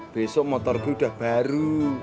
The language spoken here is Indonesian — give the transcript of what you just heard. besok motor gue udah baru